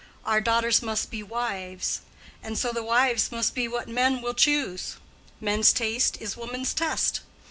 Our daughters must be wives, And to the wives must be what men will choose; Men's taste is woman's test.